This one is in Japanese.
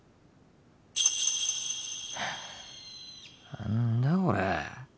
何だこれ。